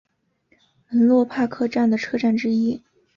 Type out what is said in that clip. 门洛帕克站的车站之一。